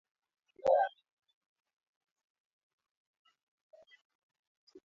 viazi lishe vina potasi manganizi protini kalisi sodiamu madini chuma na foleti